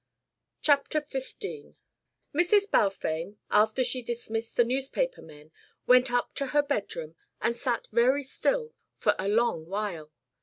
CHAPTER XV Mrs. Balfame, after she dismissed the newspaper men, went up to her bedroom and sat very still for a long while.